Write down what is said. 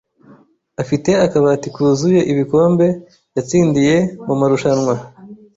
afite akabati kuzuye ibikombe yatsindiye mumarushanwa.